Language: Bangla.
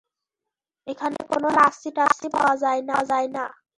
এখানে কোনো লাচ্ছি-টাচ্ছি পাওয়া যায় না।